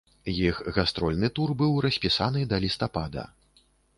Іх гастрольны тур быў распісаны да лістапада.